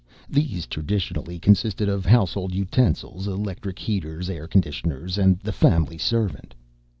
These traditionally consisted of household utensils, electric heaters, air conditioners and the family servant.